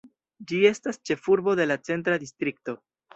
Ĝi estas ĉefurbo de la Centra distrikto.